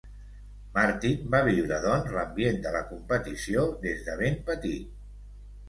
Martin va viure doncs l'ambient de la competició des de ben petit.